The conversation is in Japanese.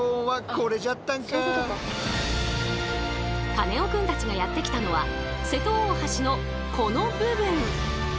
カネオくんたちがやって来たのは瀬戸大橋のこの部分。